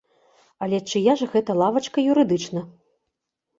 Але чыя ж гэта лавачка юрыдычна?